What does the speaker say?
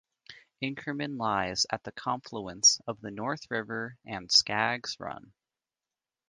Inkerman lies at the confluence of the North River and Skaggs Run.